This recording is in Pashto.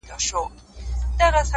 ه ولي په زاړه درد کي پایماله یې ـ